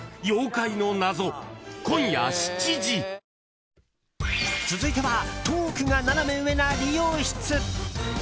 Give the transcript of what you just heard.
「ビオレ」続いてはトークがナナメ上な理容室。